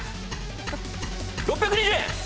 ６２０円！